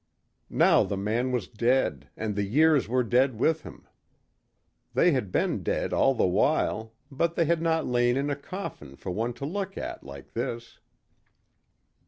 Now the man was dead and the years were dead with him. They had been dead all the while but they had not lain in a coffin for one to look at like this.